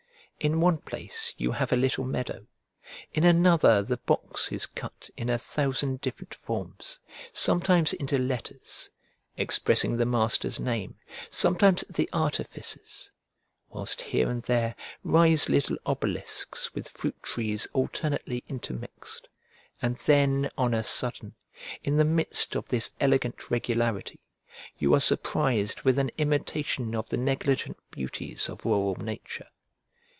In one place you have a little meadow, in another the box is cut in a thousand different forms, sometimes into letters, expressing the master's name, sometimes the artificer's, whilst here and there rise little obelisks with fruit trees alternately intermixed, and then on a sudden, in the midst of this elegant regularity, you are surprised with an imitation of the negligent beauties of rural nature.